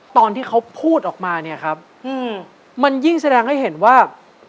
ตอนที่เขาพูดออกมาเนี่ยครับมันยิ่งแสดงให้เห็นว่า